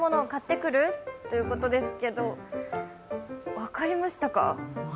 分かりましたか？